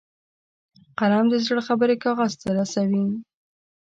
قلم د زړه خبرې کاغذ ته رسوي